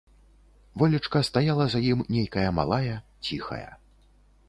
Волечка стаяла за ім нейкая малая, ціхая.